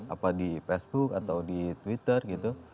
apa di facebook atau di twitter gitu